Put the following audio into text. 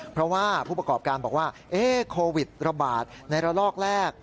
เพราะว่าผู้ประกอบการบอกว่าโควิดระบาดในระลอกแรก